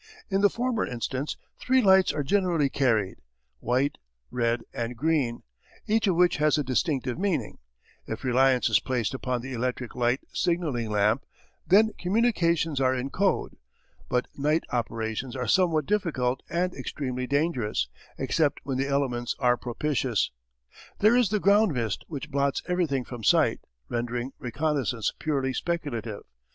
In the former instance three lights are generally carried white, red, and green each of which has a distinctive meaning. If reliance is placed upon the electric light signalling lamp, then communications are in code. But night operations are somewhat difficult and extremely dangerous, except when the elements are propitious. There is the ground mist which blots everything from sight, rendering reconnaissance purely speculative.